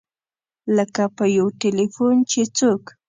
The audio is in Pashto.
لکه په یو ټیلفون چې څوک.